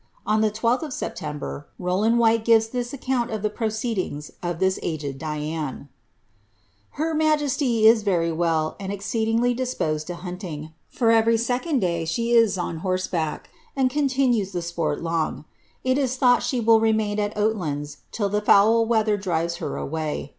ua the 12lh of September, Rowland Whyte gives this acconni of the proceedings of this aged Dian :—•' Her majesty is very well, sod exceedingly disposed to hunting, for every second day she is on horse back, and continues the sporl long; it is thought she will remaiD al Oatlands till the foul weather drives her away.